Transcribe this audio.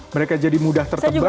mereka jadi mudah tertebak